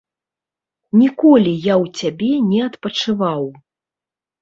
Ніколі я ў цябе не адпачываў.